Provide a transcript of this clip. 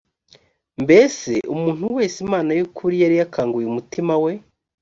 mbese umuntu wese imana y ukuri yari yakanguye umutima we